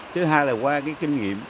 thứ hai là qua cái kinh nghiệm